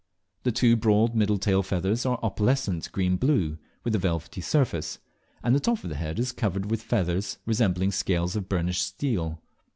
The two broad middle tail feathers are opalescent green blue with a velvety surface, and the top of the head is covered with feathers resembling scales of burnished steel.